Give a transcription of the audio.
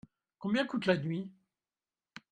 Combien coûte la nuit ?